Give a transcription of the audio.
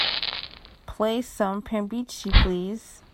Play some pambiche please